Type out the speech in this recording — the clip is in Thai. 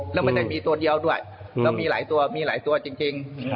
แล้วไม่ได้มีตัวเดียวด้วยแล้วมีหลายตัวมีหลายตัวจริง